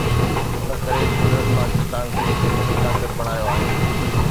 ان ڪري قدرت پاڪستان کي ايٽمي طاقت بڻايو آهي.